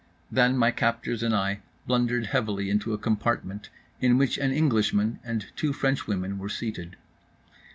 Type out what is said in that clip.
Then my captors and I blundered heavily into a compartment in which an Englishman and two French women were seated.